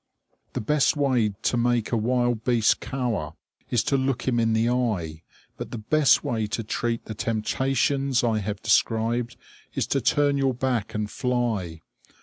_ The best way to make a wild beast cower is to look him in the eye, but the best way to treat the temptations I have described is to turn your back and fly!